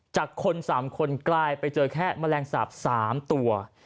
จากคน๓คนใกล้ไปเจอแค่มะแรงสาบ๓ตัว